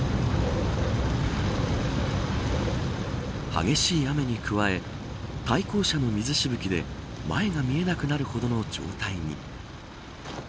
激しい雨に加え対向車の水しぶきで前が見えなくなるほどの状態に。